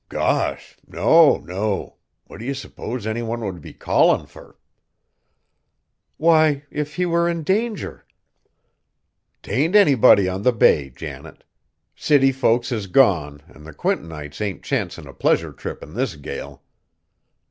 "Gosh! no, no. What do ye suppose any one would be callin' fur?" "Why, if he were in danger." "'T ain't anybody on the bay, Janet. City folks is gone, an' the Quintonites ain't chancin' a pleasure trip in this gale.